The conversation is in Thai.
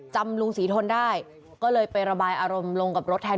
จำลุงศรีทนได้ก็เลยไประบายอารมณ์ลงกับรถแทน